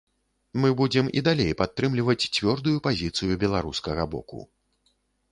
Мы будзем і далей падтрымліваць цвёрдую пазіцыю беларускага боку.